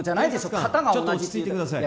検察官ちょっと落ち着いてくださいいや